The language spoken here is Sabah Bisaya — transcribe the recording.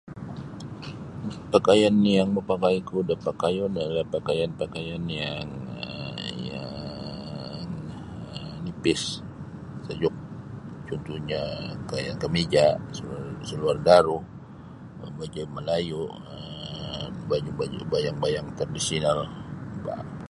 Pakaian yang mapakaiku da pakayun ialah pakaian-pakaian yang um yang um nipis sejuk cuntuhnyo pakaian kameja saluar daru ba baju' Melayu um baju-baju' bayang-bayang tradisional bah.